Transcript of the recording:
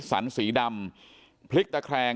สวัสดีครับทุกคน